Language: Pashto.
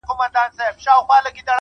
چي ورته سر ټيټ كړمه ، وژاړمه.